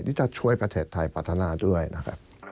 ที่จะช่วยประเทศไทยพัฒนาด้วยนะครับ